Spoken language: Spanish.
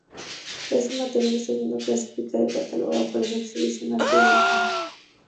Ese material está siendo clasificado y catalogado para su exhibición al público.